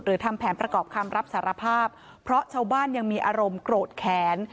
ทำแผนประกอบคำรับสารภาพเพราะชาวบ้านยังมีอารมณ์โกรธแค้น